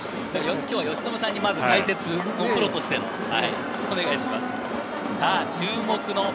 今日は由伸さんに解説のプロとしてお願いします。